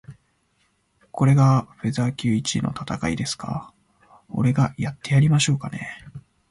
これがフェザー級一位の戦いですか？俺がやってやりましょうかね。